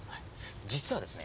実はですね